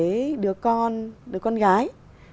đối với đứa con đứa con gái